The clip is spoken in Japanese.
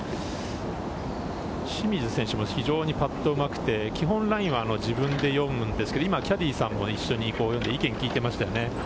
清水選手も非常にパットがうまくて、基本、ラインは自分で読むんですけれど、今、キャディーさんも一緒に意見を聞いていましたね。